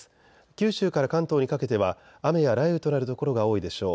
九州から関東にかけては雨や雷雨となる所が多いでしょう。